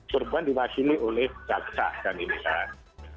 korban dimasihli oleh jasa dan iman